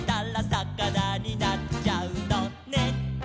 「さかなになっちゃうのね」